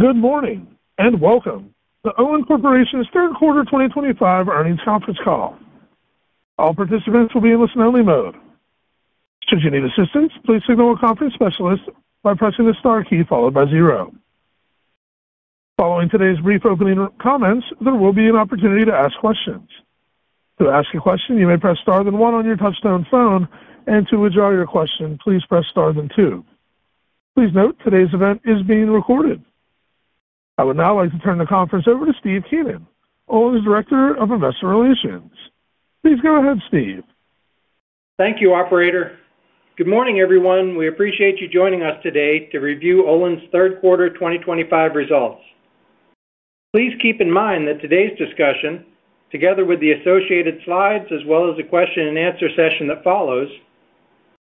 Good morning and welcome to the Olin Corporation's third quarter 2025 earnings conference call. All participants will be in listen-only mode. Should you need assistance, please signal a conference specialist by pressing the star key followed by zero. Following today's brief opening comments, there will be an opportunity to ask questions. To ask a question, you may press star then one on your touch-tone phone, and to withdraw your question, please press star then two. Please note today's event is being recorded. I would now like to turn the conference over to Steve Keenan, Olin's Director of Investor Relations. Please go ahead, Steve. Thank you, Operator. Good morning, everyone. We appreciate you joining us today to review Olin's third quarter 2025 results. Please keep in mind that today's discussion, together with the associated slides as well as the question and answer session that follows,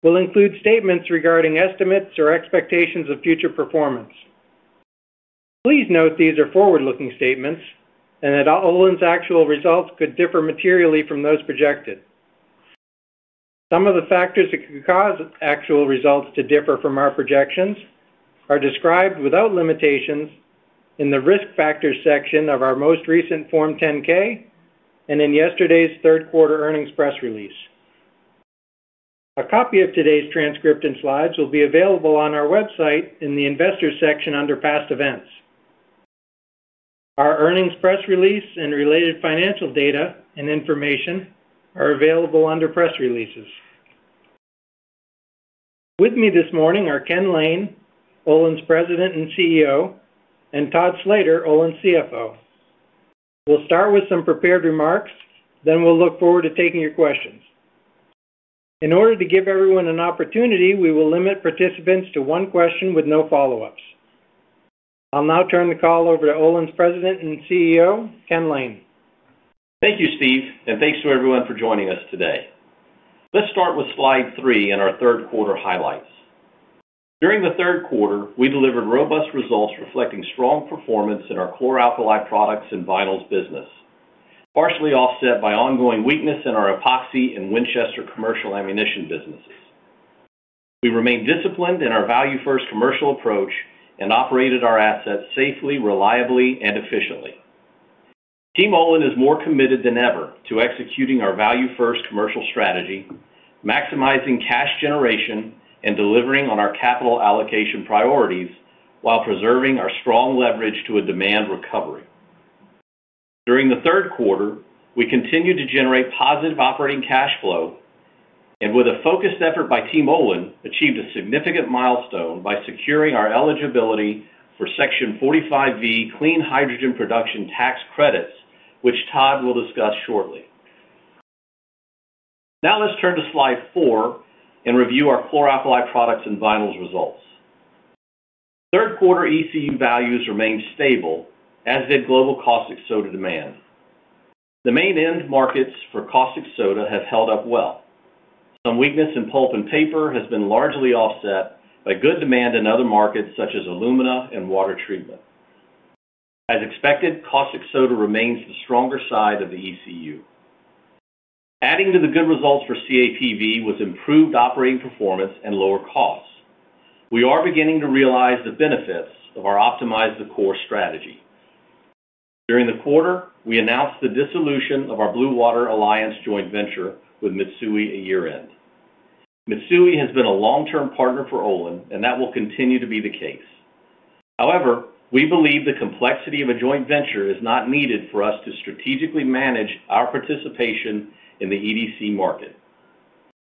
will include statements regarding estimates or expectations of future performance. Please note these are forward-looking statements and that Olin's actual results could differ materially from those projected. Some of the factors that could cause actual results to differ from our projections are described without limitations in the risk factors section of our most recent Form 10-K and in yesterday's third quarter earnings press release. A copy of today's transcript and slides will be available on our website in the investors section under past events. Our earnings press release and related financial data and information are available under press releases. With me this morning are Ken Lane, Olin's President and CEO, and Todd Slater, Olin's CFO. We'll start with some prepared remarks, then we'll look forward to taking your questions. In order to give everyone an opportunity, we will limit participants to one question with no follow-ups. I'll now turn the call over to Olin's President and CEO, Ken Lane. Thank you, Steve, and thanks to everyone for joining us today. Let's start with slide three and our third quarter highlights. During the third quarter, we delivered robust results reflecting strong performance in our core alkaline products and vinyls business, partially offset by ongoing weakness in our epoxy and Winchester commercial ammunition businesses. We remained disciplined in our value-first commercial approach and operated our assets safely, reliably, and efficiently. Team Olin is more committed than ever to executing our value-first commercial strategy, maximizing cash generation, and delivering on our capital allocation priorities while preserving our strong leverage to a demand recovery. During the third quarter, we continued to generate positive operating cash flow and, with a focused effort by Team Olin, achieved a significant milestone by securing our eligibility for Section 45V Clean Hydrogen Production tax credits, which Todd will discuss shortly. Now let's turn to slide four and review our core alkaline products and vinyls results. Third quarter ECU values remained stable, as did global caustic soda demand. The main end markets for caustic soda have held up well. Some weakness in pulp and paper has been largely offset by good demand in other markets such as alumina and water treatment. As expected, caustic soda remains the stronger side of the ECU. Adding to the good results for CAPV was improved operating performance and lower costs. We are beginning to realize the benefits of our optimized core strategy. During the quarter, we announced the dissolution of our Blue Water Alliance joint venture with Mitsui a year in. Mitsui has been a long-term partner for Olin, and that will continue to be the case. However, we believe the complexity of a joint venture is not needed for us to strategically manage our participation in the EDC market.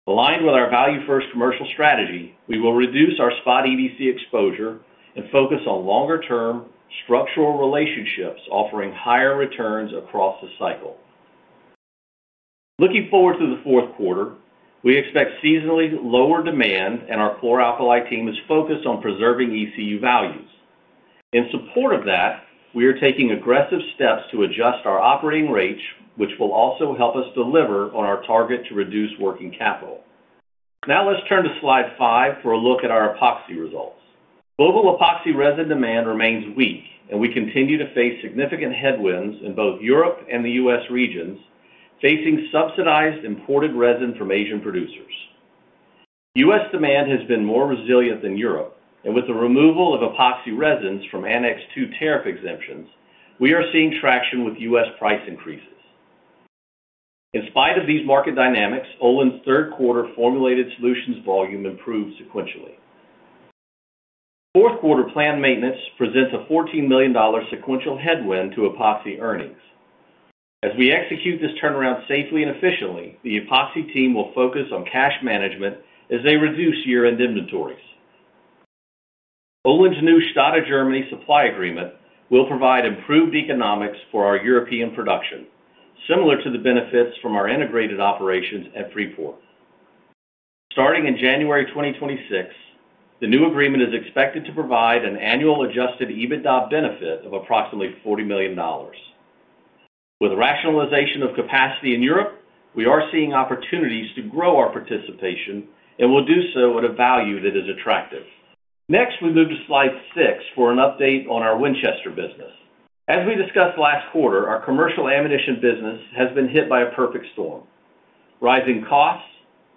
Aligned with our value-first commercial strategy, we will reduce our spot EDC exposure and focus on longer-term structural relationships offering higher returns across the cycle. Looking forward to the fourth quarter, we expect seasonally lower demand, and our core alkaline team is focused on preserving ECU values. In support of that, we are taking aggressive steps to adjust our operating rate, which will also help us deliver on our target to reduce working capital. Now let's turn to slide five for a look at our epoxy results. Global epoxy resin demand remains weak, and we continue to face significant headwinds in both Europe and the U.S. regions, facing subsidized imported resin from Asian producers. U.S. demand has been more resilient than Europe, and with the removal of epoxy resins from Annex II tariff exemptions, we are seeing traction with U.S. price increases. In spite of these market dynamics, Olin's third quarter formulated solutions volume improved sequentially. Fourth quarter planned maintenance presents a $14 million sequential headwind to epoxy earnings. As we execute this turnaround safely and efficiently, the epoxy team will focus on cash management as they reduce year-end inventories. Olin's new Stade, Germany supply agreement will provide improved economics for our European production, similar to the benefits from our integrated operations at Freeport. Starting in January 2026, the new agreement is expected to provide an annual adjusted EBITDA benefit of approximately $40 million. With rationalization of capacity in Europe, we are seeing opportunities to grow our participation and will do so at a value that is attractive. Next, we move to slide six for an update on our Winchester business. As we discussed last quarter, our commercial ammunition business has been hit by a perfect storm: rising costs,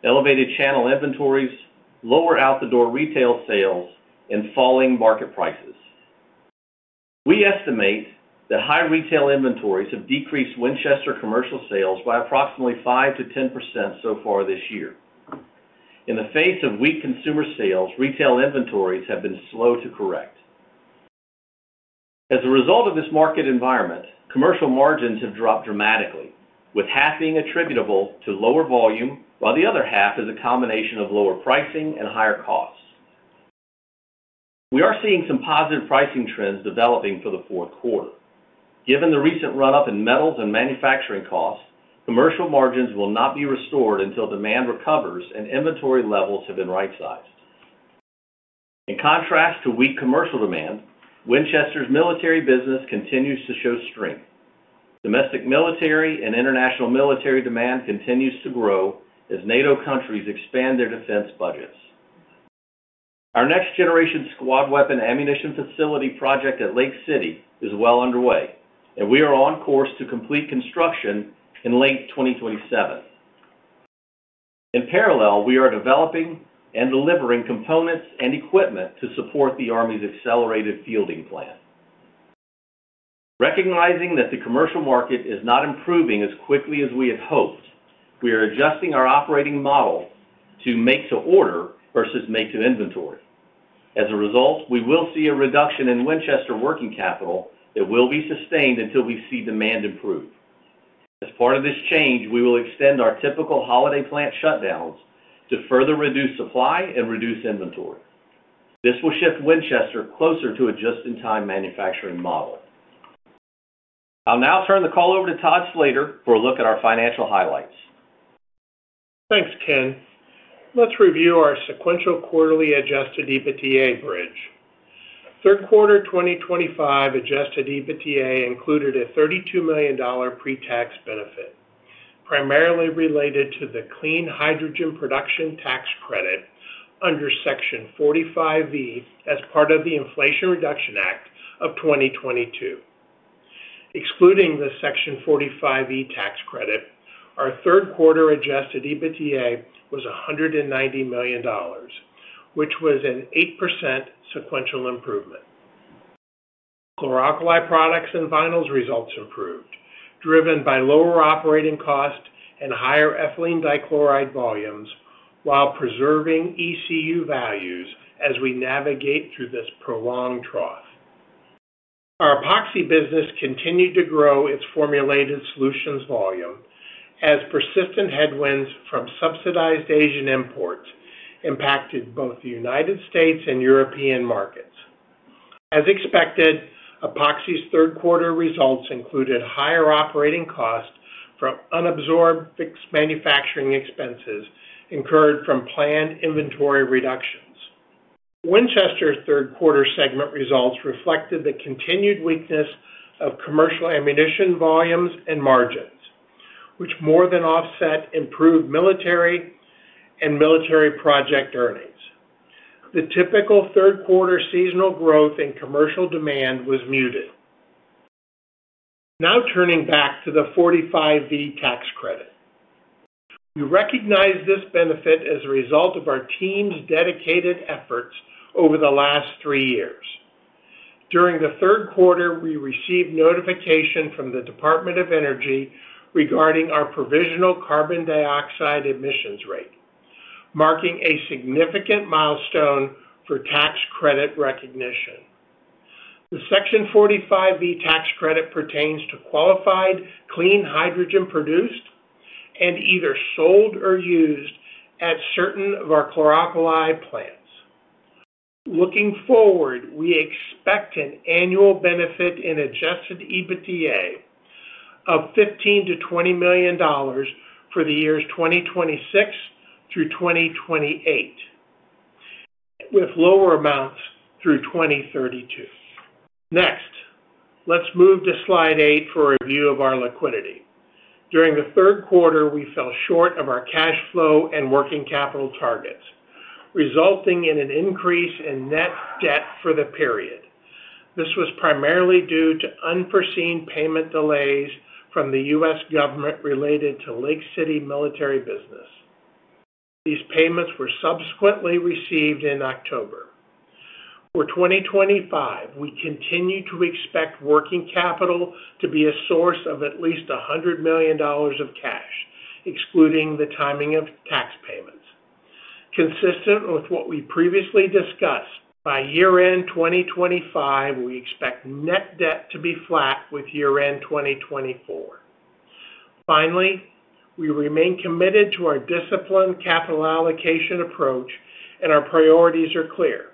elevated channel inventories, lower out-the-door retail sales, and falling market prices. We estimate that high retail inventories have decreased Winchester commercial sales by approximately 5%-10% so far this year. In the face of weak consumer sales, retail inventories have been slow to correct. As a result of this market environment, commercial margins have dropped dramatically, with half being attributable to lower volume, while the other half is a combination of lower pricing and higher costs. We are seeing some positive pricing trends developing for the fourth quarter. Given the recent run-up in metals and manufacturing costs, commercial margins will not be restored until demand recovers and inventory levels have been right-sized. In contrast to weak commercial demand, Winchester's military business continues to show strength. Domestic military and international military demand continues to grow as NATO countries expand their defense budgets. Our next-generation squad weapon ammunition facility project at Lake City is well underway, and we are on course to complete construction in late 2027. In parallel, we are developing and delivering components and equipment to support the Army's accelerated fielding plan. Recognizing that the commercial market is not improving as quickly as we had hoped, we are adjusting our operating model to make-to-order versus make-to-inventory. As a result, we will see a reduction in Winchester working capital that will be sustained until we see demand improve. As part of this change, we will extend our typical holiday plant shutdowns to further reduce supply and reduce inventory. This will shift Winchester closer to a just-in-time manufacturing model. I'll now turn the call over to Todd Slater for a look at our financial highlights. Thanks, Ken. Let's review our sequential quarterly adjusted EBITDA bridge. Third quarter 2025 adjusted EBITDA included a $32 million pre-tax benefit, primarily related to the Clean Hydrogen Production tax credit under Section 45V as part of the Inflation Reduction Act of 2022. Excluding the Section 45V tax credit, our third quarter adjusted EBITDA was $190 million, which was an 8% sequential improvement. Core alkaline products and vinyls results improved, driven by lower operating costs and higher ethylene dichloride volumes while preserving ECU values as we navigate through this prolonged trough. Our epoxy business continued to grow its formulated solutions volume as persistent headwinds from subsidized Asian imports impacted both the United States and European markets. As expected, epoxy's third quarter results included higher operating costs from unabsorbed fixed manufacturing expenses incurred from planned inventory reductions. Winchester's third quarter segment results reflected the continued weakness of commercial ammunition volumes and margins, which more than offset improved military and military project earnings. The typical third quarter seasonal growth in commercial demand was muted. Now turning back to the 45V tax credit, we recognize this benefit as a result of our team's dedicated efforts over the last three years. During the third quarter, we received notification from the Department of Energy regarding our provisional carbon dioxide emissions rate, marking a significant milestone for tax credit recognition. The Section 45V tax credit pertains to qualified clean hydrogen produced and either sold or used at certain of our core alkaline plants. Looking forward, we expect an annual benefit in adjusted EBITDA of $15 million-$20 million for the years 2026 through 2028, with lower amounts through 2032. Next, let's move to slide eight for a view of our liquidity. During the third quarter, we fell short of our cash flow and working capital targets, resulting in an increase in net debt for the period. This was primarily due to unforeseen payment delays from the U.S. government related to Lake City military business. These payments were subsequently received in October. For 2025, we continue to expect working capital to be a source of at least $100 million of cash, excluding the timing of tax payments. Consistent with what we previously discussed, by year-end 2025, we expect net debt to be flat with year-end 2024. Finally, we remain committed to our disciplined capital allocation approach, and our priorities are clear.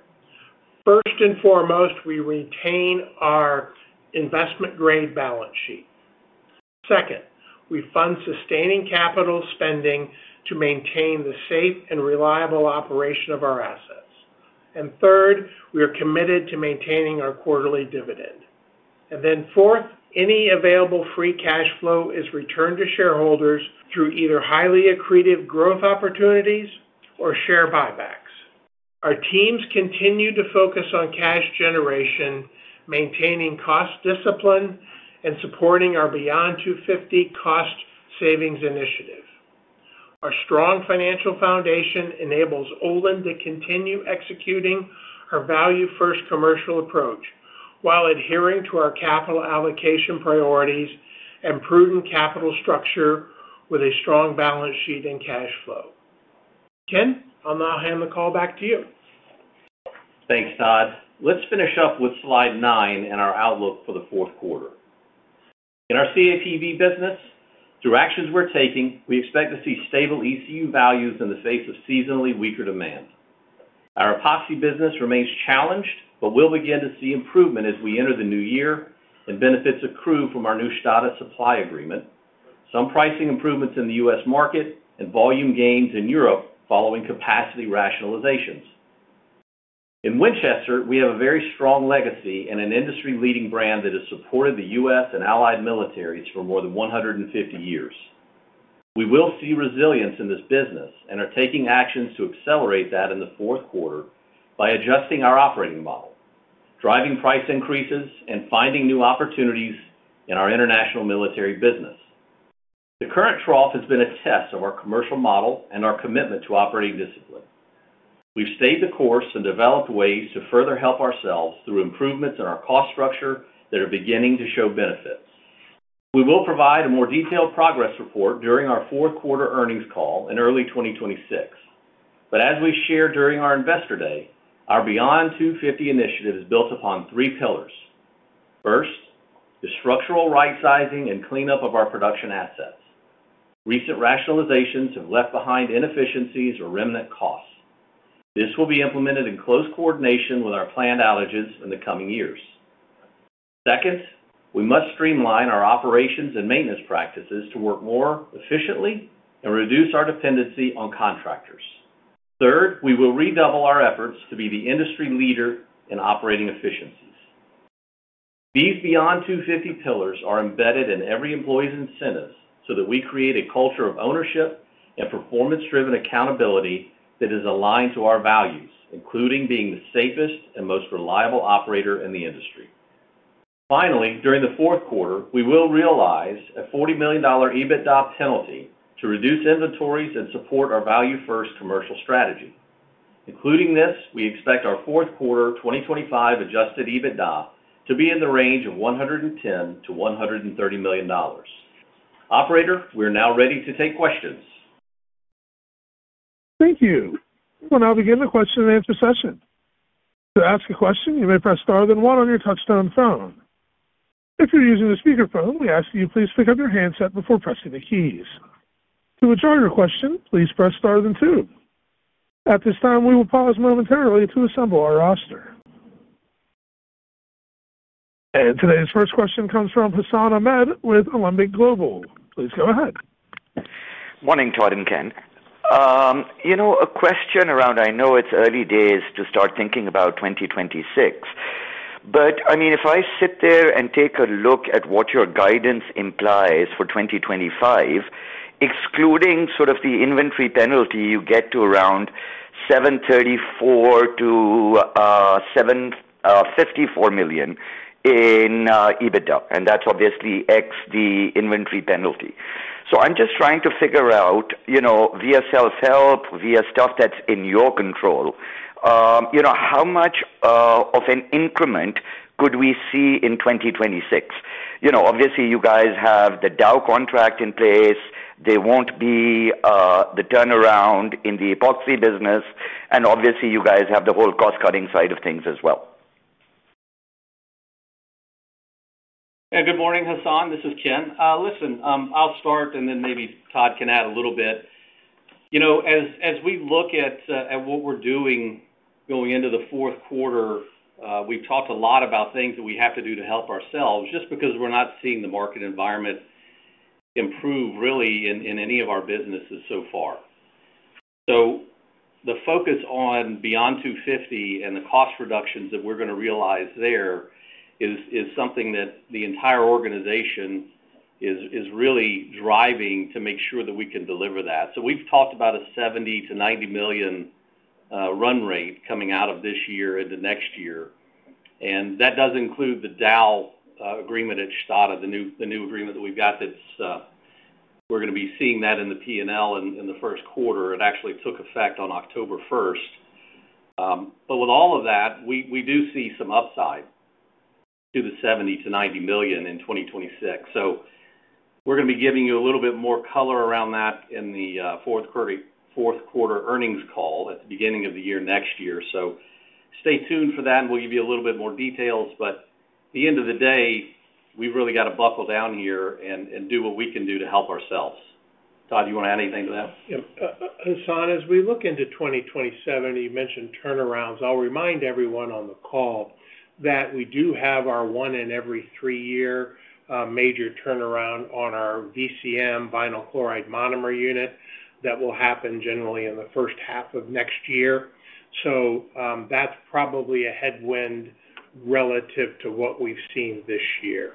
First and foremost, we retain our investment-grade balance sheet. Second, we fund sustaining capital spending to maintain the safe and reliable operation of our assets. Third, we are committed to maintaining our quarterly dividend. Fourth, any available free cash flow is returned to shareholders through either highly accretive growth opportunities or share buybacks. Our teams continue to focus on cash generation, maintaining cost discipline, and supporting our Beyond 250 cost savings initiative. Our strong financial foundation enables Olin to continue executing our value-first commercial approach while adhering to our capital allocation priorities and prudent capital structure with a strong balance sheet and cash flow. Ken, I'll now hand the call back to you. Thanks, Todd. Let's finish up with slide nine and our outlook for the fourth quarter. In our CAPV business, through actions we're taking, we expect to see stable ECU values in the face of seasonally weaker demand. Our epoxy business remains challenged, but we'll begin to see improvement as we enter the new year and benefits accrue from our new Stade supply agreement, some pricing improvements in the U.S. market, and volume gains in Europe following capacity rationalizations. In Winchester, we have a very strong legacy and an industry-leading brand that has supported the U.S. and allied militaries for more than 150 years. We will see resilience in this business and are taking actions to accelerate that in the fourth quarter by adjusting our operating model, driving price increases, and finding new opportunities in our international military business. The current trough has been a test of our commercial model and our commitment to operating discipline. We've stayed the course and developed ways to further help ourselves through improvements in our cost structure that are beginning to show benefits. We will provide a more detailed progress report during our fourth quarter earnings call in early 2026. As we shared during our Investor Day, our Beyond 250 initiative is built upon three pillars. First, the structural right-sizing and cleanup of our production assets. Recent rationalizations have left behind inefficiencies or remnant costs. This will be implemented in close coordination with our planned outages in the coming years. Second, we must streamline our operations and maintenance practices to work more efficiently and reduce our dependency on contractors. Third, we will redouble our efforts to be the industry leader in operating efficiencies. These Beyond 250 pillars are embedded in every employee's incentives so that we create a culture of ownership and performance-driven accountability that is aligned to our values, including being the safest and most reliable operator in the industry. Finally, during the fourth quarter, we will realize a $40 million EBITDA penalty to reduce inventories and support our value-first commercial strategy. Including this, we expect our fourth quarter 2025 adjusted EBITDA to be in the range of $110 million-$130 million. Operator, we are now ready to take questions. Thank you. We will now begin the question and answer session. To ask a question, you may press star then one on your touch-tone phone. If you're using a speakerphone, we ask that you please pick up your handset before pressing the keys. To withdraw your question, please press star then two. At this time, we will pause momentarily to assemble our roster. Today's first question comes from Hassan Ahmed with Alembic Global. Please go ahead. Morning, Todd and Ken. A question around, I know it's early days to start thinking about 2026, but I mean, if I sit there and take a look at what your guidance implies for 2025, excluding sort of the inventory penalty, you get to around $734 million-$754 million in EBITDA, and that's obviously ex the inventory penalty. I'm just trying to figure out, via self-help, via stuff that's in your control, how much of an increment could we see in 2026? Obviously, you guys have the Dow contract in place. There won't be the turnaround in the epoxy business, and you guys have the whole cost-cutting side of things as well. Good morning, Hassan. This is Ken. I'll start and then maybe Todd can add a little bit. As we look at what we're doing going into the fourth quarter, we've talked a lot about things that we have to do to help ourselves just because we're not seeing the market environment improve really in any of our businesses so far. The focus on Beyond 250 and the cost reductions that we're going to realize there is something that the entire organization is really driving to make sure that we can deliver that. We've talked about a $70 million-$90 million run rate coming out of this year into next year, and that does include the Dow agreement at Stade, the new agreement that we've got. We're going to be seeing that in the P&L in the first quarter. It actually took effect on October 1st. With all of that, we do see some upside to the $70 million-$90 million in 2026. We're going to be giving you a little bit more color around that in the fourth quarter earnings call at the beginning of the year next year. Stay tuned for that, and we'll give you a little bit more details. At the end of the day, we've really got to buckle down here and do what we can do to help ourselves. Todd, do you want to add anything to that? Yeah. Hassan, as we look into 2027, you mentioned turnarounds. I'll remind everyone on the call that we do have our one in every three-year major turnaround on our VCM, vinyl chloride monomer unit, that will happen generally in the first half of next year. That's probably a headwind relative to what we've seen this year.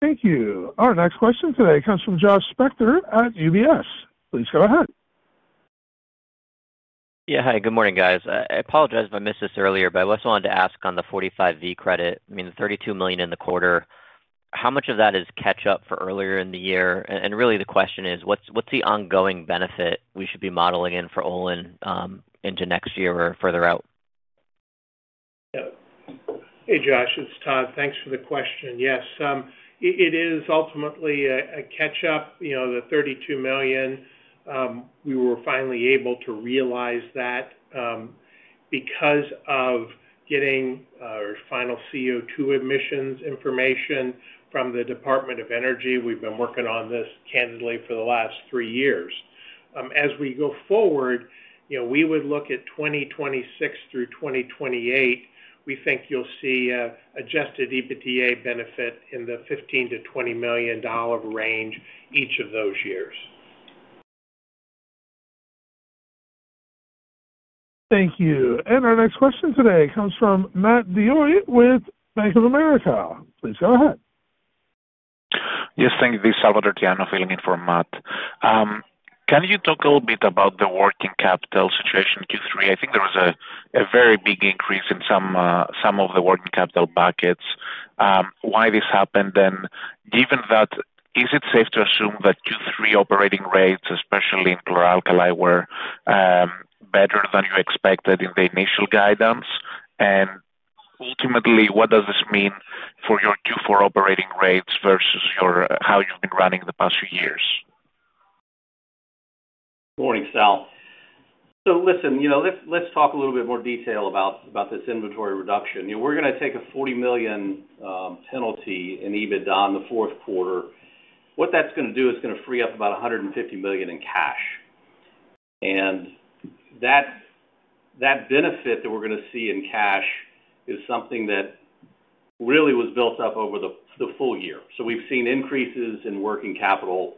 Thank you. Our next question today comes from Josh Spector at UBS. Please go ahead. Yeah. Hi. Good morning, guys. I apologize if I missed this earlier, but I just wanted to ask on the Section 45V credit, I mean, the $32 million in the quarter, how much of that is catch-up for earlier in the year? The question is, what's the ongoing benefit we should be modeling in for Olin into next year or further out? Yeah. Hey, Josh. It's Todd. Thanks for the question. Yes, it is ultimately a catch-up. The $32 million, we were finally able to realize that because of getting our final CO2 emissions information from the Department of Energy. We've been working on this candidly for the last three years. As we go forward, we would look at 2026 through 2028. We think you'll see an adjusted EBITDA benefit in the $15 million-$20 million range each of those years. Thank you. Our next question today comes from Matt DeYoe with Bank of America. Please go ahead. Yes, thank you. This is Salvator Tiano filling in for Matt. Can you talk a little bit about the working capital situation in Q3? I think there was a very big increase in some of the working capital buckets. Why this happened, given that, is it safe to assume that Q3 operating rates, especially in core alkaline, were better than you expected in the initial guidance? Ultimately, what does this mean for your Q4 operating rates versus how you've been running the past few years? Morning, Sal. Listen, let's talk a little bit more detail about this inventory reduction. We're going to take a $40 million penalty in adjusted EBITDA in the fourth quarter. What that's going to do is free up about $150 million in cash. That benefit we're going to see in cash is something that really was built up over the full year. We've seen increases in working capital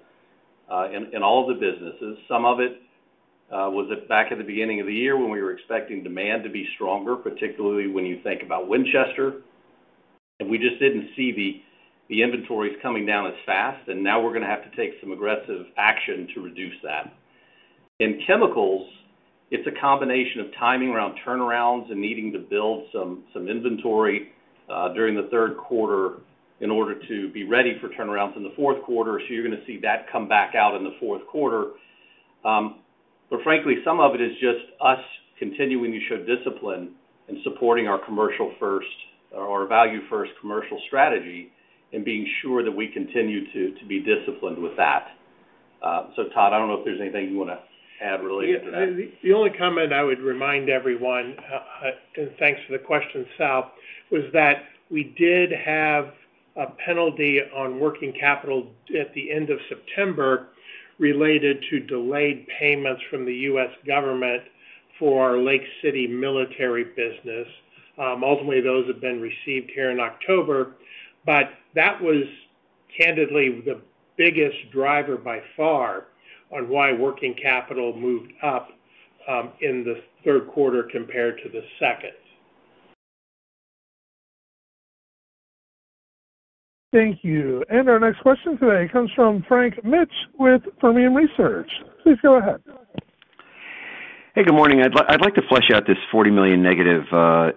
in all of the businesses. Some of it was back at the beginning of the year when we were expecting demand to be stronger, particularly when you think about Winchester. We just didn't see the inventories coming down as fast. Now we're going to have to take some aggressive action to reduce that. In chemicals, it's a combination of timing around turnarounds and needing to build some inventory during the third quarter in order to be ready for turnarounds in the fourth quarter. You're going to see that come back out in the fourth quarter. Frankly, some of it is just us continuing to show discipline and supporting our value-first commercial strategy and being sure that we continue to be disciplined with that. Todd, I don't know if there's anything you want to add related to that. Yeah. The only comment I would remind everyone, and thanks for the question, Sal, was that we did have a penalty on working capital at the end of September related to delayed payments from the U.S. government for our Lake City military business. Ultimately, those have been received here in October. That was candidly the biggest driver by far on why working capital moved up in the third quarter compared to the second. Thank you. Our next question today comes from Frank Mitsch with Fermium Research. Please go ahead. Hey, good morning. I'd like to flesh out this $40 million negative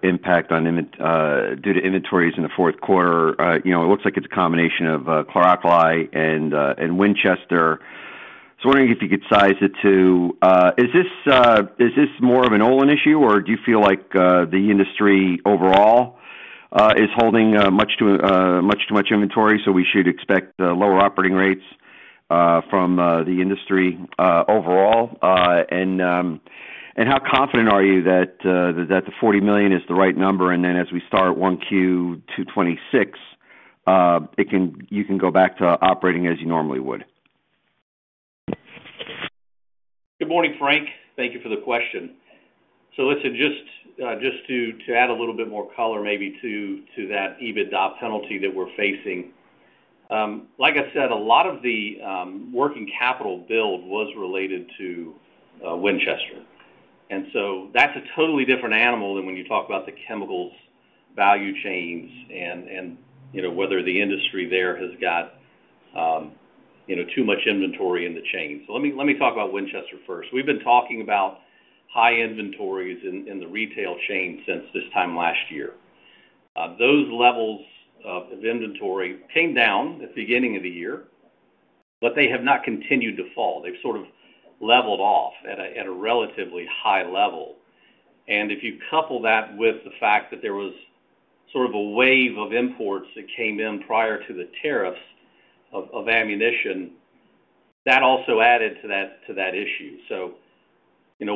impact due to inventories in the fourth quarter. It looks like it's a combination of core alkaline and Winchester. I'm wondering if you could size it to, is this more of an Olin issue or do you feel like the industry overall is holding much too much inventory, so we should expect lower operating rates from the industry overall? How confident are you that the $40 million is the right number, and as we start 1Q 2026, you can go back to operating as you normally would? Good morning, Frank. Thank you for the question. Just to add a little bit more color maybe to that EBITDA penalty that we're facing, like I said, a lot of the working capital build was related to Winchester. That's a totally different animal than when you talk about the chemicals value chains and whether the industry there has got too much inventory in the chain. Let me talk about Winchester first. We've been talking about high inventories in the retail chain since this time last year. Those levels of inventory came down at the beginning of the year, but they have not continued to fall. They've sort of leveled off at a relatively high level. If you couple that with the fact that there was sort of a wave of imports that came in prior to the tariffs of ammunition, that also added to that issue.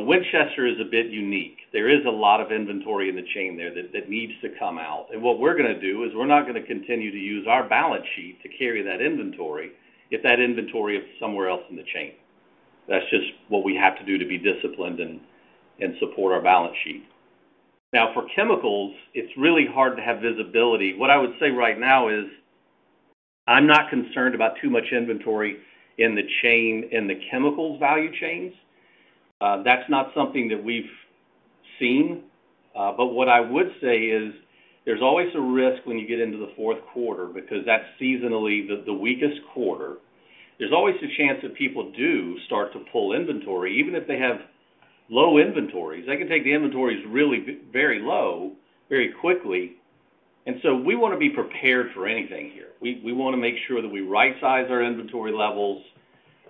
Winchester is a bit unique. There is a lot of inventory in the chain there that needs to come out. What we're going to do is we're not going to continue to use our balance sheet to carry that inventory if that inventory is somewhere else in the chain. That's just what we have to do to be disciplined and support our balance sheet. Now, for chemicals, it's really hard to have visibility. What I would say right now is I'm not concerned about too much inventory in the chain and the chemicals value chains. That's not something that we've seen. There is always a risk when you get into the fourth quarter because that's seasonally the weakest quarter. There's always a chance that people do start to pull inventory. Even if they have low inventories, they can take the inventories really very low very quickly. We want to be prepared for anything here. We want to make sure that we right-size our inventory levels,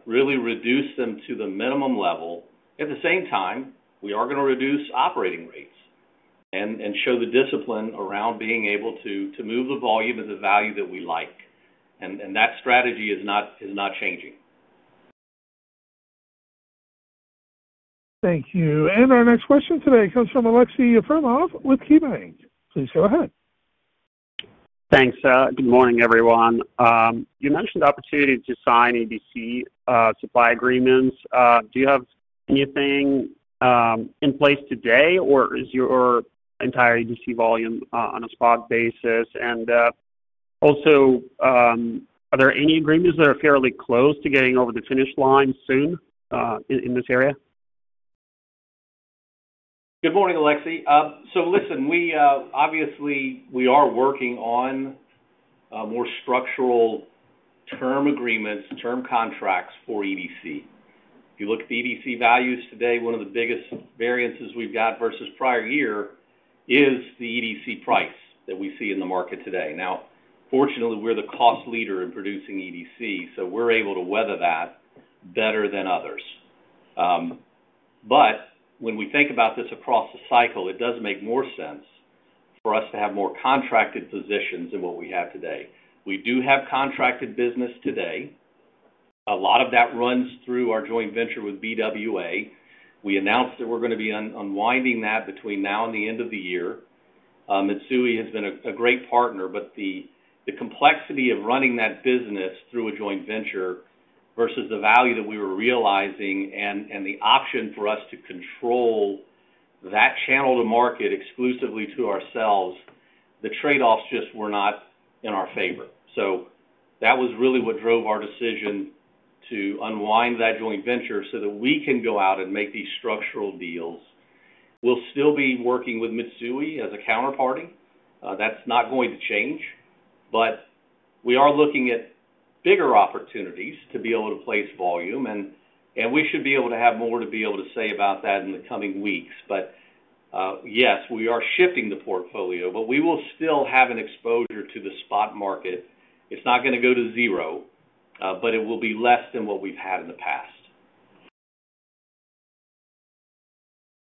really reduce them to the minimum level. At the same time, we are going to reduce operating rates and show the discipline around being able to move the volume at the value that we like. That strategy is not changing. Thank you. Our next question today comes from Aleksey Yefremov with KeyBanc. Please go ahead. Thanks. Good morning, everyone. You mentioned the opportunity to sign supply agreements. Do you have anything in place today, or is your entire volume on a spot basis? Are there any agreements that are fairly close to getting over the finish line soon in this area? Good morning, Aleksey. Listen, we obviously are working on more structural term agreements, term contracts for EDC If you look at the EDC values today, one of the biggest variances we've got versus prior year is the EDC price that we see in the market today. Now, fortunately, we're the cost leader in producing EDC, so we're able to weather that better than others. When we think about this across the cycle, it does make more sense for us to have more contracted positions than what we have today. We do have contracted business today. A lot of that runs through our joint venture with Blue Water Alliance. We announced that we're going to be unwinding that between now and the end of the year. Mitsui has been a great partner, but the complexity of running that business through a joint venture versus the value that we were realizing and the option for us to control that channel to market exclusively to ourselves, the trade-offs just were not in our favor. That was really what drove our decision to unwind that joint venture so that we can go out and make these structural deals. We'll still be working with Mitsui as a counterparty. That's not going to change. We are looking at bigger opportunities to be able to place volume, and we should be able to have more to be able to say about that in the coming weeks. Yes, we are shifting the portfolio, but we will still have an exposure to the spot market. It's not going to go to zero, but it will be less than what we've had in the past.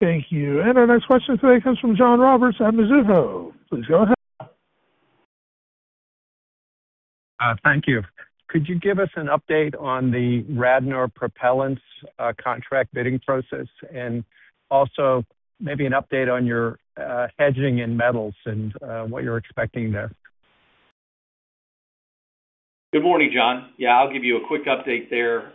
Thank you. Our next question today comes from John Roberts at Mizuho. Please go ahead. Thank you. Could you give us an update on the Radnor Propellants contract bidding process, and also maybe an update on your hedging in metals and what you're expecting there? Good morning, John. Yeah, I'll give you a quick update there.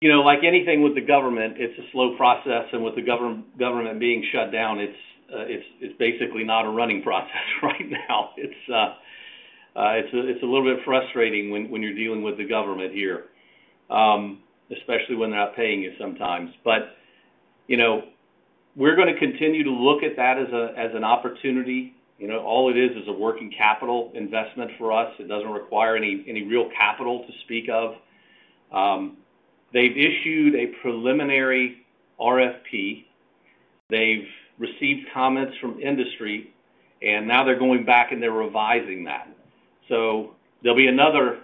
You know, like anything with the government, it's a slow process. With the government being shut down, it's basically not a running process right now. It's a little bit frustrating when you're dealing with the government here, especially when they're not paying you sometimes. We're going to continue to look at that as an opportunity. All it is is a working capital investment for us. It doesn't require any real capital to speak of. They've issued a preliminary RFP. They've received comments from industry, and now they're going back and revising that. There'll be another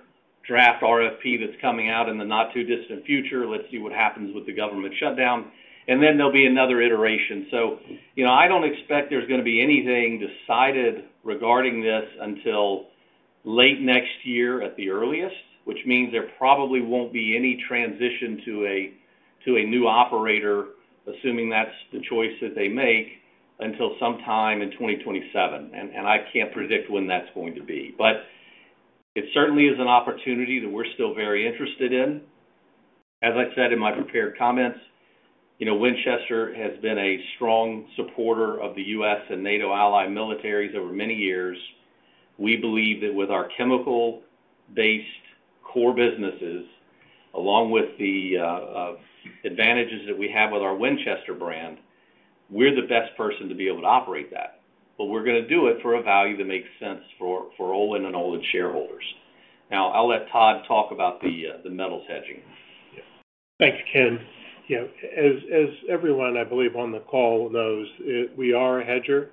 draft RFP that's coming out in the not-too-distant future. Let's see what happens with the government shutdown. There'll be another iteration. I don't expect there's going to be anything decided regarding this until late next year at the earliest, which means there probably won't be any transition to a new operator, assuming that's the choice that they make, until sometime in 2027. I can't predict when that's going to be. It certainly is an opportunity that we're still very interested in. As I said in my prepared comments, Winchester has been a strong supporter of the U.S. and NATO allied militaries over many years. We believe that with our chemical-based core businesses, along with the advantages that we have with our Winchester brand, we're the best person to be able to operate that. We're going to do it for a value that makes sense for Olin and Olin's shareholders. Now, I'll let Todd talk about the metals hedging. Yeah. Thanks, Ken. As everyone, I believe, on the call knows, we are a hedger,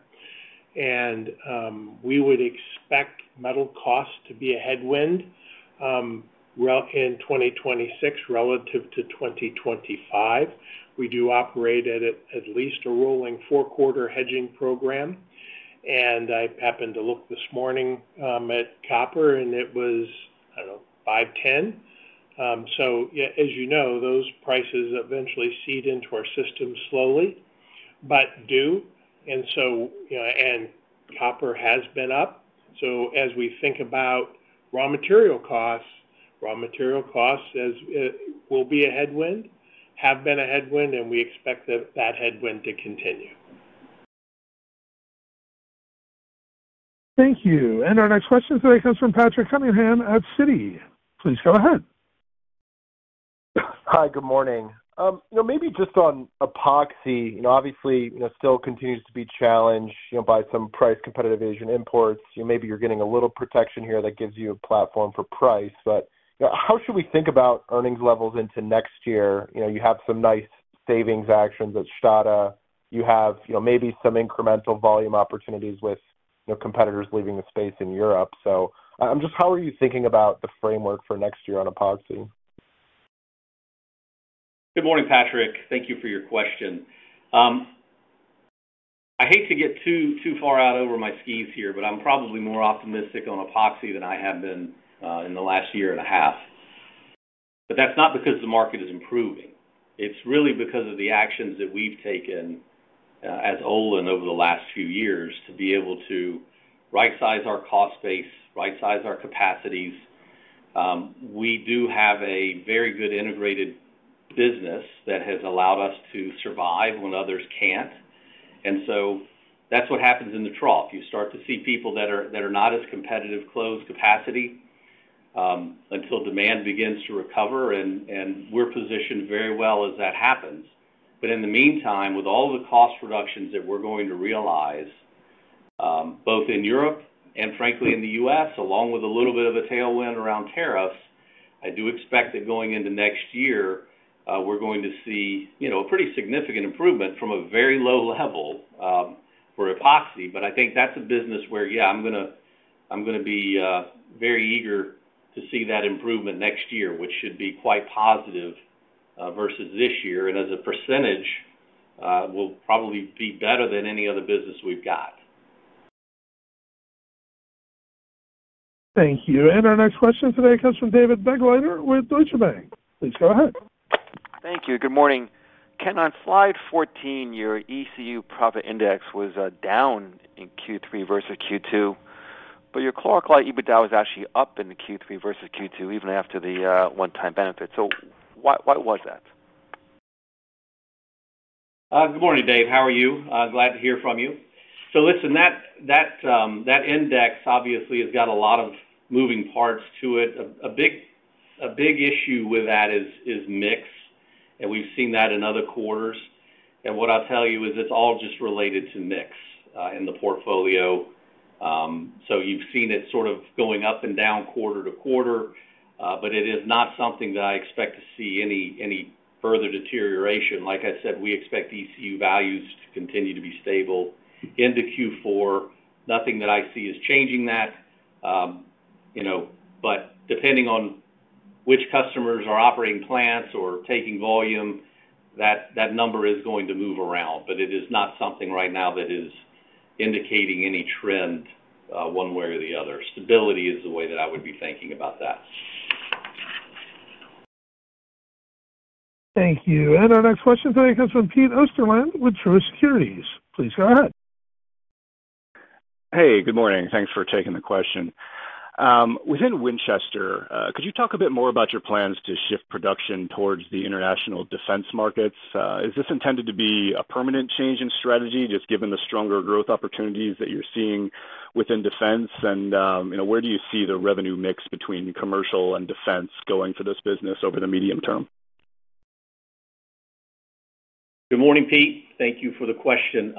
and we would expect metal costs to be a headwind in 2026 relative to 2025. We do operate at at least a rolling four-quarter hedging program. I happened to look this morning at copper, and it was, I don't know, $5.10. As you know, those prices eventually seed into our system slowly but do. Copper has been up. As we think about raw material costs, raw material costs will be a headwind, have been a headwind, and we expect that headwind to continue. Thank you. Our next question today comes from Patrick Cunningham at Citi. Please go ahead. Hi, good morning. Maybe just on epoxy, obviously, it still continues to be challenged by some price competitive Asian imports. Maybe you're getting a little protection here that gives you a platform for price. How should we think about earnings levels into next year? You have some nice savings actions at Stade. You have maybe some incremental volume opportunities with competitors leaving the space in Europe. I'm just, how are you thinking about the framework for next year on epoxy? Good morning, Patrick. Thank you for your question. I hate to get too far out over my skis here, but I'm probably more optimistic on epoxy than I have been in the last year and a half. That's not because the market is improving. It's really because of the actions that we've taken as Olin over the last few years to be able to right-size our cost base, right-size our capacities. We do have a very good integrated business that has allowed us to survive when others can't. That's what happens in the trough. You start to see people that are not as competitive close capacity until demand begins to recover. We're positioned very well as that happens. In the meantime, with all the cost reductions that we're going to realize, both in Europe and frankly in the U.S., along with a little bit of a tailwind around tariffs, I do expect that going into next year, we're going to see a pretty significant improvement from a very low level for epoxy. I think that's a business where, yeah, I'm going to be very eager to see that improvement next year, which should be quite positive versus this year. As a percentage, we'll probably be better than any other business we've got. Thank you. Our next question today comes from David Begleiter with Deutsche Bank. Please go ahead. Thank you. Good morning. Ken, on slide 14, your ECU profit index was down in Q3 versus Q2, but your core alkaline EBITDA was actually up in Q3 versus Q2, even after the one-time benefit. Why was that? Good morning, Dave. How are you? Glad to hear from you. That index obviously has got a lot of moving parts to it. A big issue with that is MIX, and we've seen that in other quarters. What I'll tell you is it's all just related to MIX in the portfolio. You've seen it sort of going up and down quarter to quarter, but it is not something that I expect to see any further deterioration. Like I said, we expect ECU values to continue to be stable into Q4. Nothing that I see is changing that. Depending on which customers are operating plants or taking volume, that number is going to move around. It is not something right now that is indicating any trend one way or the other. Stability is the way that I would be thinking about that. Thank you. Our next question today comes from Pete Osterland with Truist Securities. Please go ahead. Hey, good morning. Thanks for taking the question. Within Winchester, could you talk a bit more about your plans to shift production towards the international defense markets? Is this intended to be a permanent change in strategy, just given the stronger growth opportunities that you're seeing within defense? Where do you see the revenue mix between commercial and defense going for this business over the medium term? Good morning, Pete. Thank you for the question.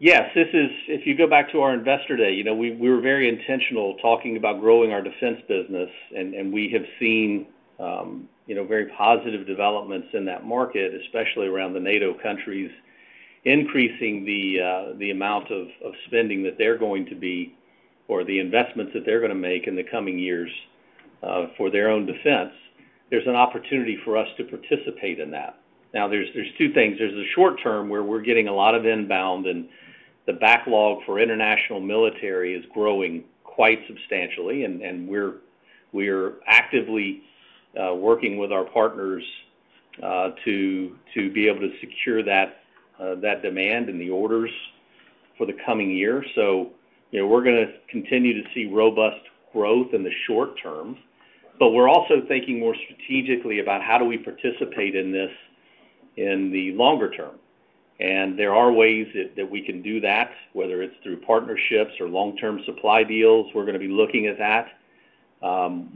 Yes, this is, if you go back to our Investor Day, we were very intentional talking about growing our defense business. We have seen very positive developments in that market, especially around the NATO countries increasing the amount of spending that they're going to be or the investments that they're going to make in the coming years for their own defense. There's an opportunity for us to participate in that. Now, there's two things. There's the short term where we're getting a lot of inbound, and the backlog for international military is growing quite substantially. We're actively working with our partners to be able to secure that demand and the orders for the coming year. We're going to continue to see robust growth in the short term. We're also thinking more strategically about how do we participate in this in the longer term. There are ways that we can do that, whether it's through partnerships or long-term supply deals. We're going to be looking at that.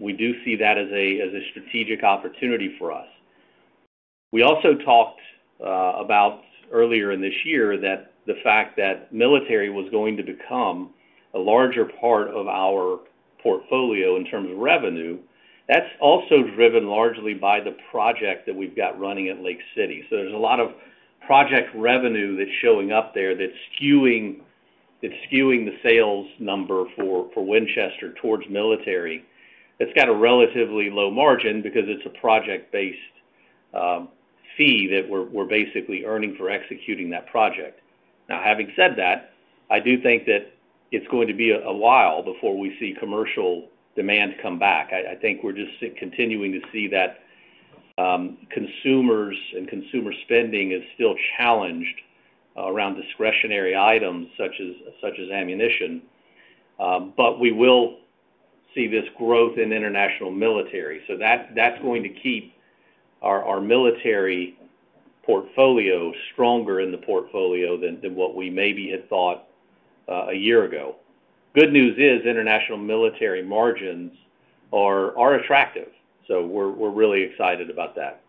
We do see that as a strategic opportunity for us. We also talked about earlier in this year that the fact that military was going to become a larger part of our portfolio in terms of revenue, that's also driven largely by the project that we've got running at Lake City. There's a lot of project revenue that's showing up there that's skewing the sales number for Winchester towards military. That's got a relatively low margin because it's a project-based fee that we're basically earning for executing that project. Having said that, I do think that it's going to be a while before we see commercial demand come back. I think we're just continuing to see that consumers and consumer spending is still challenged around discretionary items such as ammunition. We will see this growth in international military. That's going to keep our military portfolio stronger in the portfolio than what we maybe had thought a year ago. Good news is international military margins are attractive. We're really excited about that.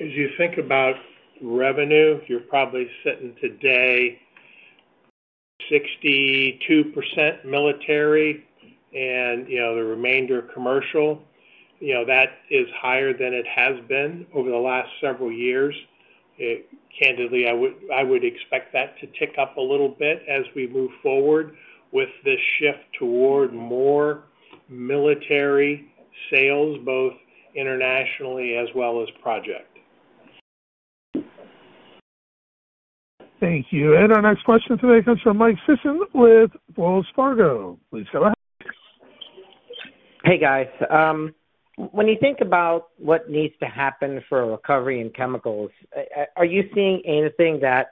As you think about revenue, you're probably sitting today at 62% military and the remainder commercial. That is higher than it has been over the last several years. Candidly, I would expect that to tick up a little bit as we move forward with this shift toward more military sales, both internationally as well as project. Thank you. Our next question today comes from Mike Sison with Wells Fargo. Please go ahead. Hey, guys. When you think about what needs to happen for a recovery in chemicals, are you seeing anything that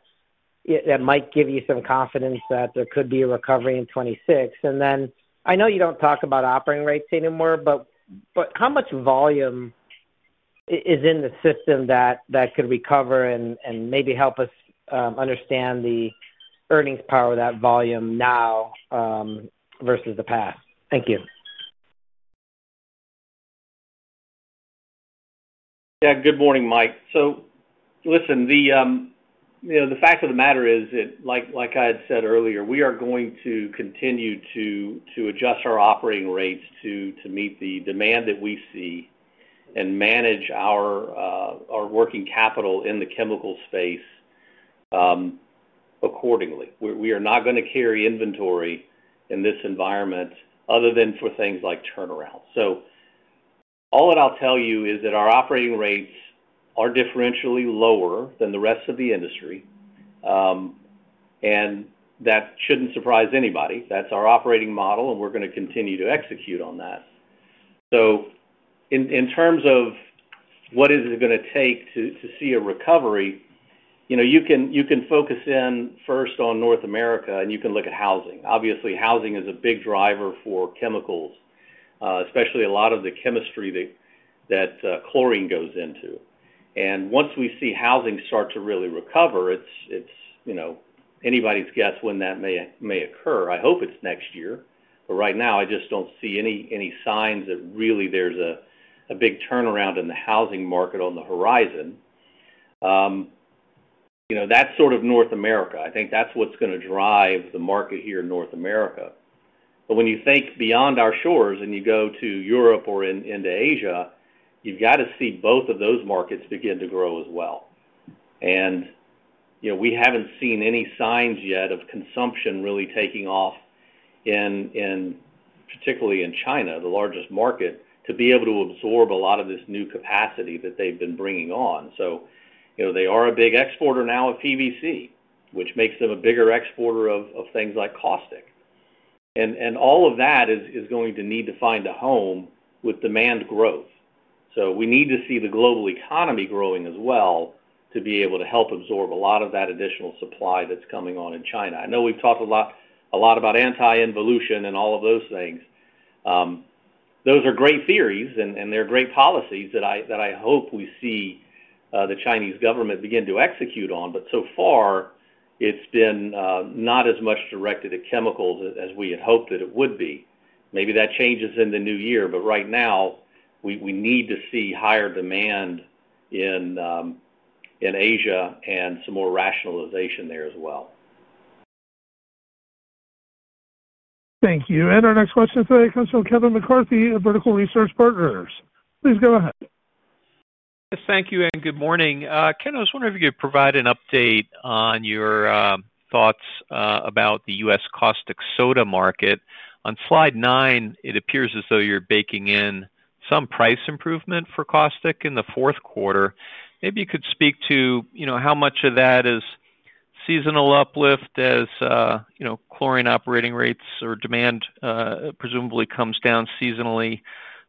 might give you some confidence that there could be a recovery in 2026? I know you don't talk about operating rates anymore, but how much volume is in the system that could recover and maybe help us understand the earnings power of that volume now versus the past? Thank you. Yeah. Good morning, Mike. The fact of the matter is that, like I had said earlier, we are going to continue to adjust our operating rates to meet the demand that we see and manage our working capital in the chemical space accordingly. We are not going to carry inventory in this environment other than for things like turnaround. All that I'll tell you is that our operating rates are differentially lower than the rest of the industry. That shouldn't surprise anybody. That's our operating model, and we're going to continue to execute on that. In terms of what is it going to take to see a recovery, you can focus in first on North America, and you can look at housing. Obviously, housing is a big driver for chemicals, especially a lot of the chemistry that chlorine goes into. Once we see housing start to really recover, it's anybody's guess when that may occur. I hope it's next year. Right now, I just don't see any signs that really there's a big turnaround in the housing market on the horizon. That's sort of North America. I think that's what's going to drive the market here in North America. When you think beyond our shores and you go to Europe or into Asia, you've got to see both of those markets begin to grow as well. We haven't seen any signs yet of consumption really taking off, particularly in China, the largest market, to be able to absorb a lot of this new capacity that they've been bringing on. They are a big exporter now of PVC, which makes them a bigger exporter of things like caustic. All of that is going to need to find a home with demand growth. We need to see the global economy growing as well to be able to help absorb a lot of that additional supply that's coming on in China. I know we've talked a lot about anti-involution and all of those things. Those are great theories, and they're great policies that I hope we see the Chinese government begin to execute on. So far, it's been not as much directed at chemicals as we had hoped that it would be. Maybe that changes in the new year. Right now, we need to see higher demand in Asia and some more rationalization there as well. Thank you. Our next question today comes from Kevin McCarthy of Vertical Research Partners. Please go ahead. Yes. Thank you and good morning. Ken, I was wondering if you could provide an update on your thoughts about the U.S. caustic soda market. On slide nine, it appears as though you're baking in some price improvement for caustic in the fourth quarter. Maybe you could speak to how much of that is seasonal uplift as chlorine operating rates or demand presumably comes down seasonally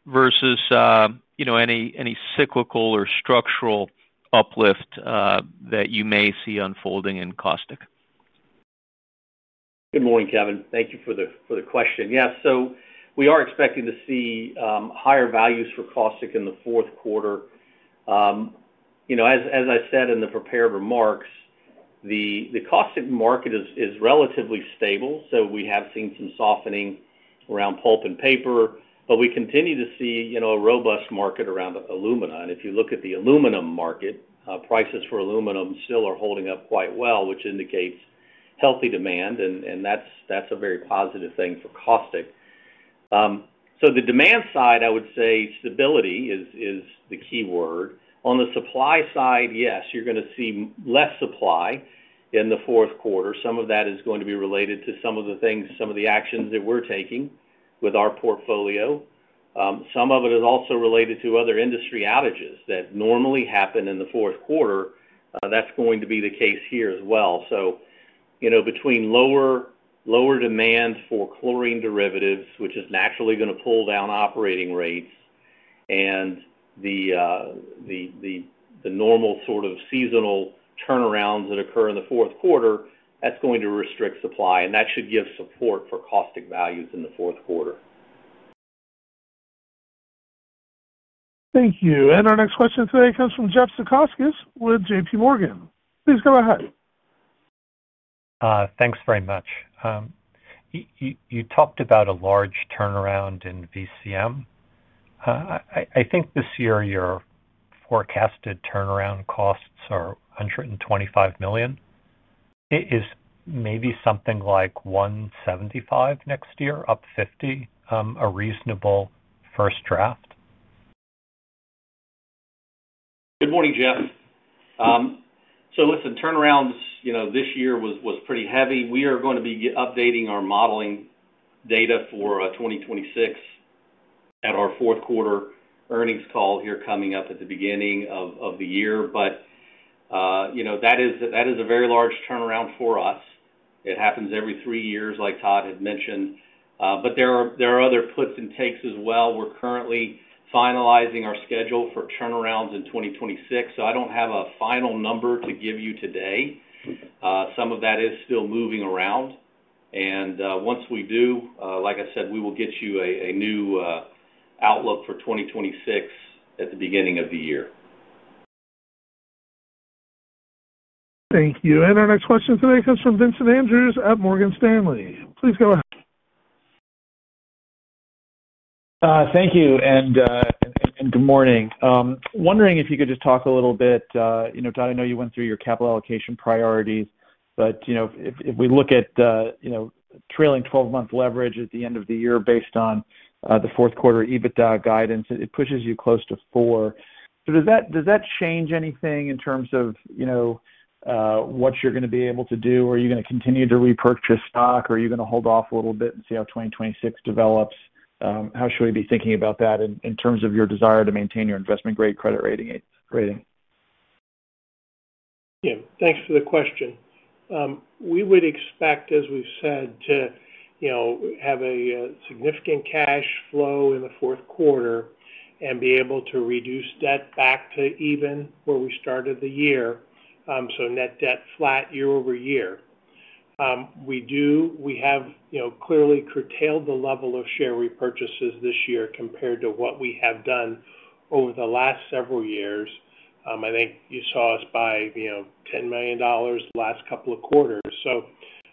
versus any cyclical or structural uplift that you may see unfolding in caustic? Good morning, Kevin. Thank you for the question. Yes. We are expecting to see higher values for caustic in the fourth quarter. As I said in the prepared remarks, the caustic market is relatively stable. We have seen some softening around pulp and paper, but we continue to see a robust market around alumina. If you look at the alumina market, prices for alumina still are holding up quite well, which indicates healthy demand. That's a very positive thing for caustic. On the demand side, I would say stability is the key word. On the supply side, yes, you're going to see less supply in the fourth quarter. Some of that is going to be related to some of the actions that we're taking with our portfolio. Some of it is also related to other industry outages that normally happen in the fourth quarter. That's going to be the case here as well. Between lower demand for chlorine derivatives, which is naturally going to pull down operating rates, and the normal sort of seasonal turnarounds that occur in the fourth quarter, that's going to restrict supply. That should give support for caustic values in the fourth quarter. Thank you. Our next question today comes from Jeff Zekauskas with JPMorgan. Please go ahead. Thanks very much. You talked about a large turnaround in VCM. I think this year your forecasted turnaround costs are $125 million. It is maybe something like $175 million next year, up $50 million, a reasonable first draft. Good morning, Jeff. Turnarounds this year was pretty heavy. We are going to be updating our modeling data for 2026 at our fourth quarter earnings call here coming up at the beginning of the year. That is a very large turnaround for us. It happens every three years, like Todd had mentioned. There are other puts and takes as well. We're currently finalizing our schedule for turnarounds in 2026. I don't have a final number to give you today. Some of that is still moving around. Once we do, like I said, we will get you a new outlook for 2026 at the beginning of the year. Thank you. Our next question today comes from Vincent Andrews at Morgan Stanley. Please go ahead. Thank you and good morning. Wondering if you could just talk a little bit, you know, Todd, I know you went through your capital allocation priorities, but if we look at trailing 12-month leverage at the end of the year based on the fourth quarter adjusted EBITDA guidance, it pushes you close to 4x. Does that change anything in terms of what you're going to be able to do? Are you going to continue to repurchase stock? Are you going to hold off a little bit and see how 2026 develops? How should we be thinking about that in terms of your desire to maintain your investment-grade credit rating? Yeah. Thanks for the question. We would expect, as we've said, to have a significant cash flow in the fourth quarter and be able to reduce debt back to even where we started the year, so net debt flat year over year. We have clearly curtailed the level of share repurchases this year compared to what we have done over the last several years. I think you saw us buy $10 million the last couple of quarters.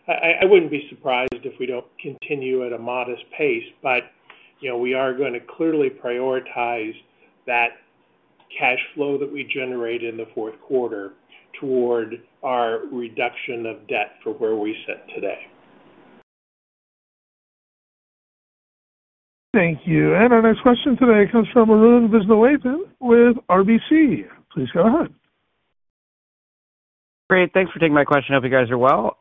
I wouldn't be surprised if we don't continue at a modest pace. We are going to clearly prioritize that cash flow that we generate in the fourth quarter toward our reduction of debt for where we sit today. Thank you. Our next question today comes from Arun Viswanathan with RBC. Please go ahead. Great. Thanks for taking my question. I hope you guys are well.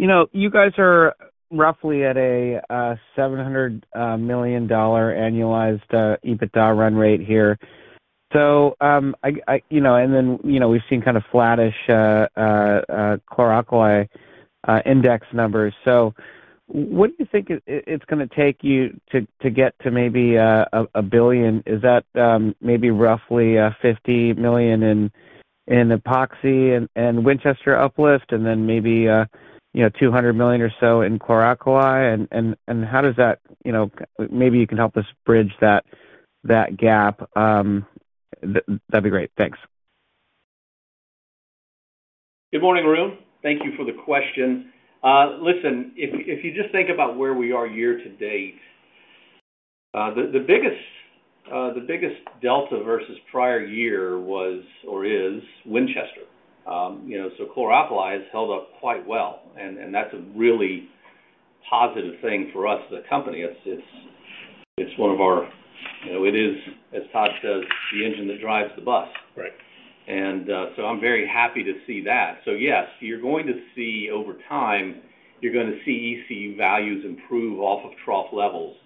You know, you guys are roughly at a $700 million annualized EBITDA run rate here. We've seen kind of flattish core alkaline index numbers. What do you think it's going to take you to get to maybe $1 billion? Is that maybe roughly $50 million in epoxy and Winchester uplift, and then maybe $200 million or so in core alkaline? How does that, you know, maybe you can help us bridge that gap? That'd be great. Thanks. Good morning, Arun. Thank you for the question. Listen, if you just think about where we are year to date, the biggest delta versus prior year was or is Winchester. Core alkaline has held up quite well, and that's a really positive thing for us as a company. It's one of our, you know, it is, as Todd says, the engine that drives the bus, right? I'm very happy to see that. Yes, you're going to see over time, you're going to see ECU values improve off of trough levels.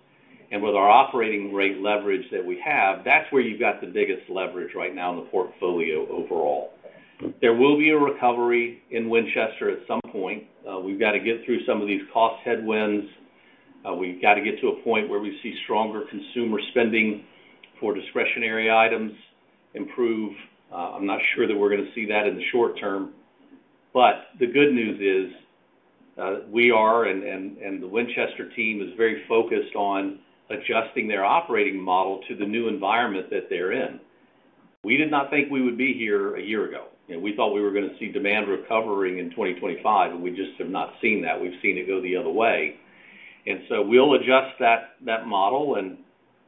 With our operating rate leverage that we have, that's where you've got the biggest leverage right now in the portfolio overall. There will be a recovery in Winchester at some point. We've got to get through some of these cost headwinds. We've got to get to a point where we see stronger consumer spending for discretionary items improve. I'm not sure that we're going to see that in the short term. The good news is we are, and the Winchester team is very focused on adjusting their operating model to the new environment that they're in. We did not think we would be here a year ago. We thought we were going to see demand recovering in 2025, and we just have not seen that. We've seen it go the other way. We'll adjust that model, and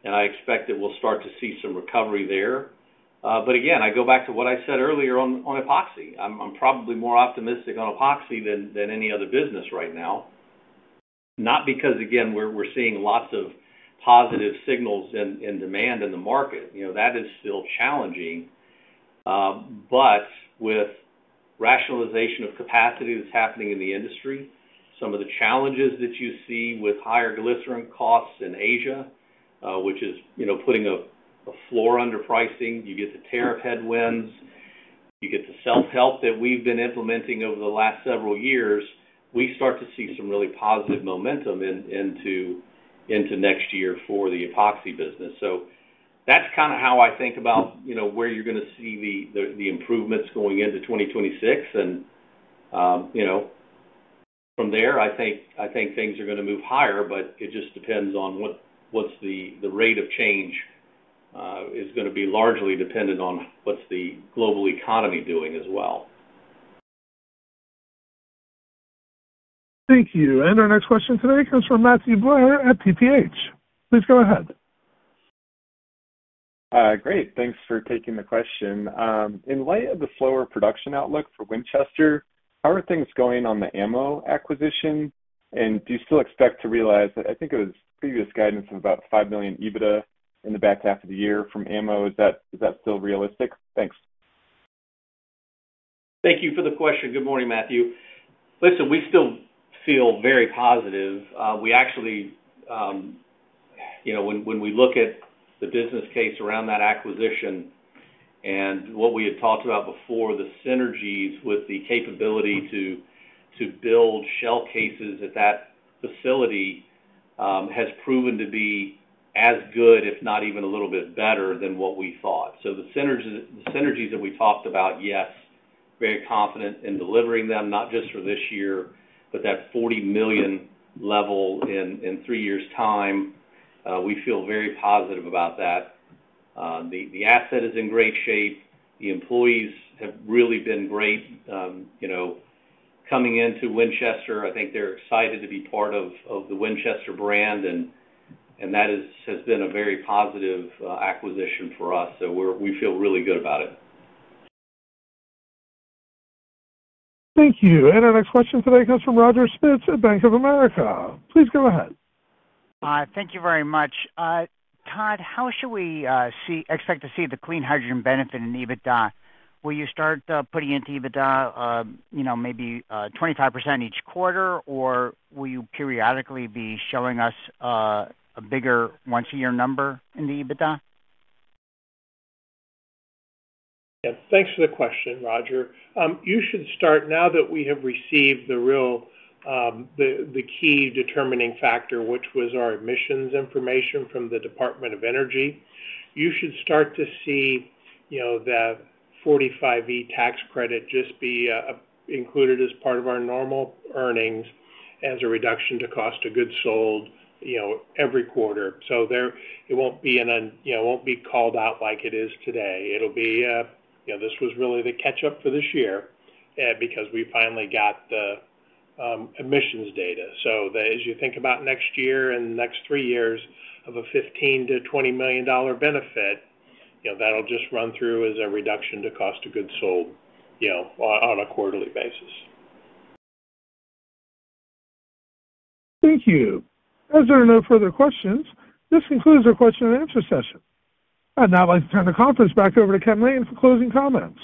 I expect that we'll start to see some recovery there. I go back to what I said earlier on epoxy. I'm probably more optimistic on epoxy than any other business right now. Not because, again, we're seeing lots of positive signals in demand in the market. That is still challenging. With rationalization of capacity that's happening in the industry, some of the challenges that you see with higher glycerin costs in Asia, which is putting a floor under pricing, you get the tariff headwinds, you get the self-help that we've been implementing over the last several years, we start to see some really positive momentum into next year for the epoxy business. That's kind of how I think about where you're going to see the improvements going into 2026. From there, I think things are going to move higher, but it just depends on what's the rate of change. It's going to be largely dependent on what's the global economy doing as well. Thank you. Our next question today comes from Matthew Boyer at PPH. Please go ahead. Great. Thanks for taking the question. In light of the slower production outlook for Winchester, how are things going on the AMMO acquisition? Do you still expect to realize, I think it was previous guidance of about $5 million EBITDA in the back half of the year from AMMO? Is that still realistic? Thanks. Thank you for the question. Good morning, Matthew. We still feel very positive. When we look at the business case around that acquisition and what we had talked about before, the synergies with the capability to build shell cases at that facility have proven to be as good, if not even a little bit better than what we thought. The synergies that we talked about, yes, very confident in delivering them, not just for this year, but that $40-million level in three years' time. We feel very positive about that. The asset is in great shape. The employees have really been great coming into Winchester. I think they're excited to be part of the Winchester brand, and that has been a very positive acquisition for us. We feel really good about it. Thank you. Our next question today comes from Roger Smith at Bank of America. Please go ahead. Hi. Thank you very much. Todd, how should we expect to see the clean hydrogen benefit in EBITDA? Will you start putting it into EBITDA maybe 25% each quarter, or will you periodically be showing us a bigger once-a-year number in the EBITDA? Yeah. Thanks for the question, Roger. You should start now that we have received the real key determining factor, which was our emissions information from the Department of Energy. You should start to see the 45V tax credit just be included as part of our normal earnings as a reduction to cost of goods sold every quarter. It won't be called out like it is today. This was really the catch-up for this year because we finally got the emissions data. As you think about next year and the next three years of a $15 million-$20 million benefit, that'll just run through as a reduction to cost of goods sold on a quarterly basis. Thank you. As there are no further questions, this concludes our question and answer session. I'd now like to turn the conference back over to Ken Lane for closing comments.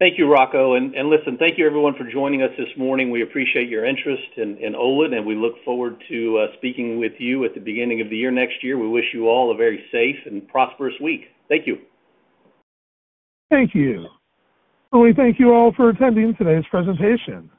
Thank you, Rocco. Thank you, everyone, for joining us this morning. We appreciate your interest in Olin, and we look forward to speaking with you at the beginning of the year next year. We wish you all a very safe and prosperous week. Thank you. Thank you. I want to thank you all for attending today's presentation.